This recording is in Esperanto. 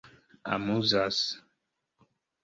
amuzas